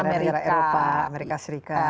negara eropa amerika serikat